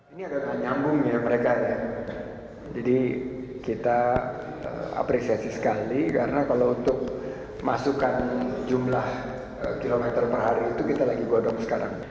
ini agak nyambung ya mereka ya jadi kita apresiasi sekali karena kalau untuk masukan jumlah kilometer per hari itu kita lagi godong sekarang